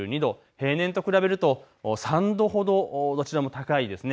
平年と比べると３度ほど高いですね。